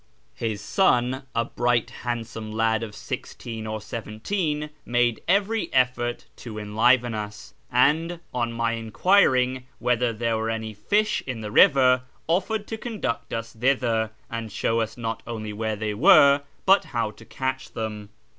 His sou, a Itright handsome lad of sixteen or seventeen, made every eflbrt to enliven us, and, on my enquiring whether there were any fisli in the river, offered to conduct us thither, and show ns not only where they were, but how to catch them.